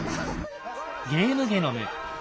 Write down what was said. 「ゲームゲノム」